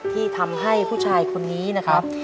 ที่ทำให้ผู้ชายคนนี้นะครับ